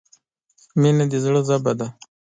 • مینه د زړۀ ژبه ده.